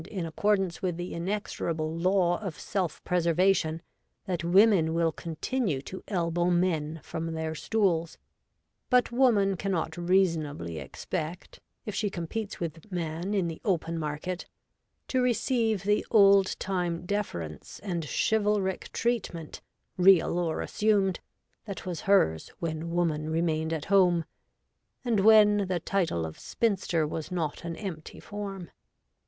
in accordance with the inexorable law of self preservation, that women will continue to elbow men from their stools ; but woman cannot reason ably expect, if she competes with man in the open market, to receive the old time deference and chivalric treatment^ — real or assumed — that was hers when woman remained at home, and when the title of spinster was not an empty form.